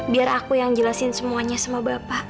biar aku yang jelasin semuanya sama bapak